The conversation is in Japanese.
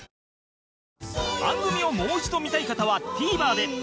番組をもう一度見たい方は ＴＶｅｒ で